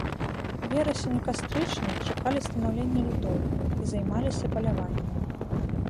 Верасень і кастрычнік чакалі станаўлення льдоў і займаліся паляваннем.